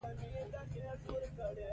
لیکوال همدا دعا کوي.